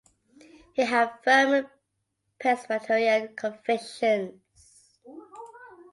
He had firm Presbyterian convictions.